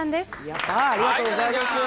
やったありがとうございます。